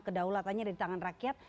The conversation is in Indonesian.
kedaulatannya di tangan rakyat